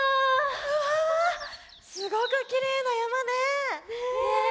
うわすごくきれいなやまね。ね。